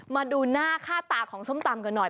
มาดูหน้าค่าตาของส้มตำกันหน่อย